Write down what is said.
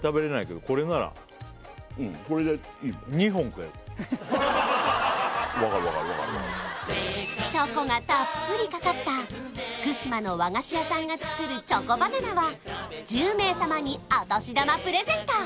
うんこれでいい分かる分かる分かる分かるチョコがたっぷりかかった福島の和菓子屋さんが作るチョコバナナは１０名様にお年玉プレゼント！